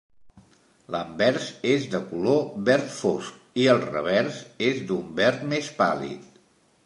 L'anvers és de color verd fosc, i el revers és d'un verd més pàl·lid.